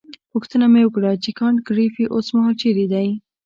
پوښتنه مې وکړه چې کانت ګریفي اوسمهال چیرې دی.